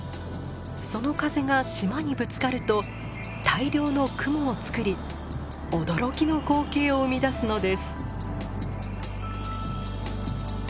その風が島にぶつかると大量の雲をつくり驚きの光景を生み出すのです。